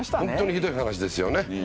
ホントにひどい話ですよね。